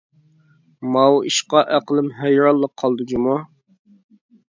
ماۋۇ ئىشقا ئەقلىم ھەيرانلا قالدى جۇمۇ!